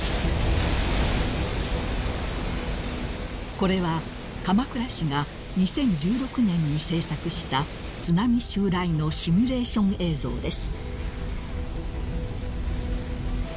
［これは鎌倉市が２０１６年に制作した津波襲来のシミュレーション映像です］